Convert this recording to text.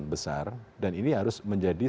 besar dan ini harus menjadi